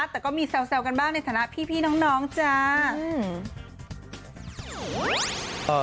แต่ก็มีแซวกันบ้างในฐานะพี่น้องจ้า